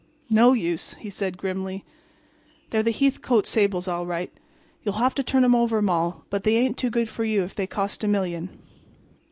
"No use," he said, grimly. "They're the Hethcote sables, all right. You'll have to turn 'em over, Moll, but they ain't too good for you if they cost a million."